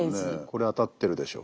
これ当たってるでしょう。